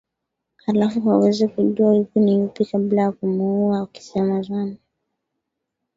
Halafu aweze kujua yupi ni yupi kabla ya kumuua Hakizemana